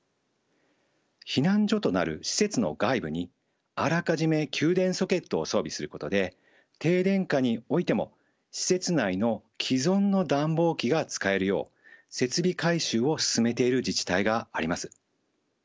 避難所となる施設の外部にあらかじめ給電ソケットを装備することで停電下においても施設内の既存の暖房機が使えるよう設備改修を進めている自治体があります。